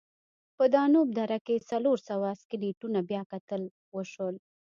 په دانوب دره کې څلور سوه سکلیټونه بیاکتل وشول.